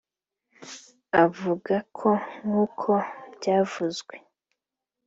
Avuga ko nk’uko byavuzwe